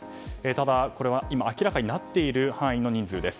ただ、これは明らかになっている範囲の人数です。